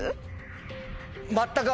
全く。